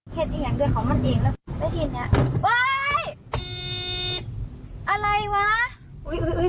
เห็นอย่างเดียวของมันเองแล้วได้ทีเนี้ยอะไรวะอุ้ยอุ้ยอุ้ย